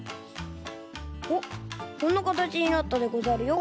おっこんなかたちになったでござるよ。